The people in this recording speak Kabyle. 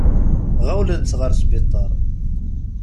Ɣawlen-tt ɣer sbiṭar.